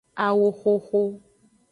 Awoxoxo.